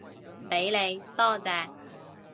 畀你，多謝